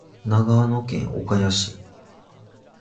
長野県岡谷市